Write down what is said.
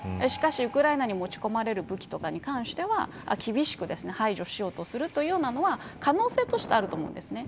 しかしウクライナに持ち込まれる武器とかに関しては厳しく排除しようとするというようなのは可能性としてあると思うんです。